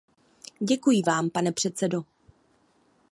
Děkuji vám, pane předsedo.